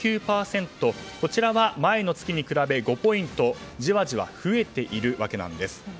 こちらは前の月に比べて５ポイントじわじわ増えているわけなんです。